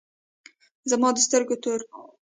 زما د سترگو تور